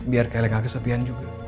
biar kayla gak kesepian juga